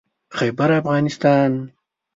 خيبرافغانستان